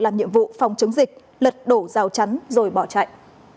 làm nhiệm vụ phòng chống dịch lật đổ rào chắn rồi bỏ chạy